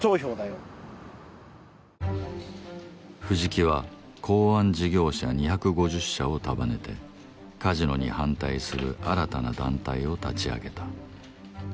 藤木は港湾事業者２５０社を束ねてカジノに反対する新たな団体を立ち上げた